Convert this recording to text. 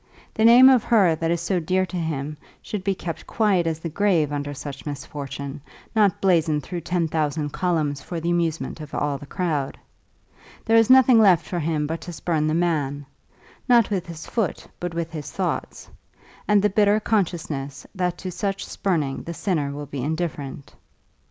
The name of her that is so dear to him should be kept quiet as the grave under such misfortune, not blazoned through ten thousand columns for the amusement of all the crowd. There is nothing left for him but to spurn the man, not with his foot but with his thoughts; and the bitter consciousness that to such spurning the sinner will be indifferent.